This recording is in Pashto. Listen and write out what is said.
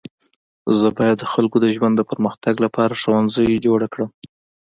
زه باید د خلکو د ژوند د پرمختګ لپاره ښوونځی جوړه کړم.